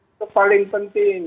itu paling penting